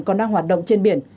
còn đang hoạt động trên biển